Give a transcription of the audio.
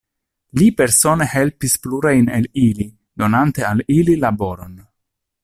Li persone helpis plurajn el ili, donante al ili laboron.